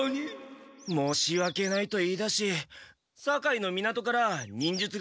もうしわけないと言いだし堺の港から忍術学園へ来るまで。